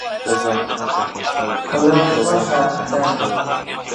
خوله خوښه ده.